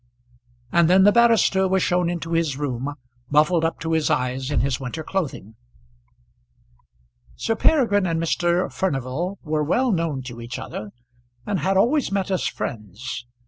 And then the barrister was shown into his room, muffled up to his eyes in his winter clothing. Sir Peregrine and Mr. Furnival were well known to each other, and had always met as friends.